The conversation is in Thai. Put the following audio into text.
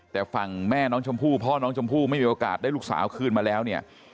แต่ฝั่งแม่น้องชมพู่พ่อน้องชมพู่ไม่มีโอกาสได้ลูกสาวคืนมาแล้วเนี่ย